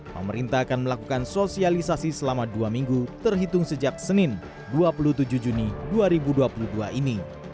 pemerintah akan melakukan sosialisasi selama dua minggu terhitung sejak senin dua puluh tujuh juni dua ribu dua puluh dua ini